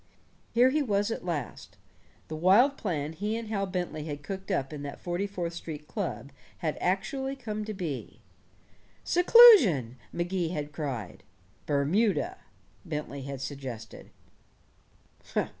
Here he was at last. The wild plan he and Hal Bentley had cooked up in that Forty fourth Street club had actually come to be. "Seclusion," Magee had cried. "Bermuda," Bentley had suggested.